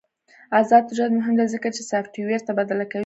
آزاد تجارت مهم دی ځکه چې سافټویر تبادله کوي.